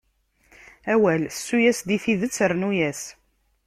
Awal, ssu-yas di tidet, rrnu-yas.